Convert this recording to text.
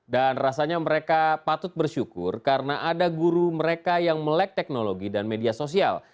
dan rasanya mereka patut bersyukur karena ada guru mereka yang melek teknologi dan media sosial